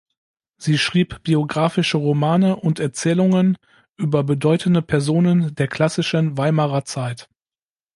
Sie schrieb biografische Romane und Erzählungen über bedeutende Personen der klassischen Weimarer Zeit.